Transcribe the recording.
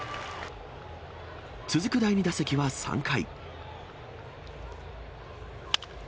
続く第２打席は３回。